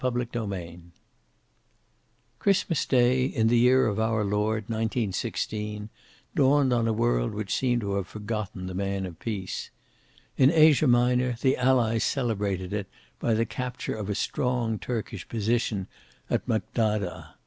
CHAPTER XIII Christmas day of the year of our Lord, 1916, dawned on a world which seemed to have forgotten the Man of Peace. In Asia Minor the Allies celebrated it by the capture of a strong Turkish position at Maghdadah.